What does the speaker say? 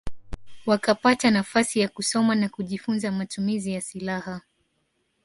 Wakapata nafasi ya kusoma na kujifunza matumizi ya silaha